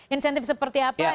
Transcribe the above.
insentif seperti apa